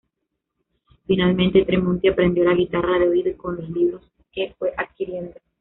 Finalmente, Tremonti, aprendió la guitarra de oído y con los libros que fue adquiriendo.